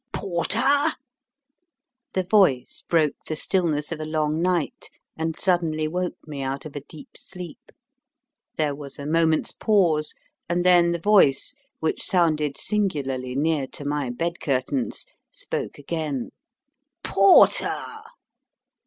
"Porter!" The voice broke the stillness of a long night, and suddenly woke me out of a deep sleep. There was a moment's pause, and then the voice, which sounded singularly near to my bed curtains, spoke again. "Porter!"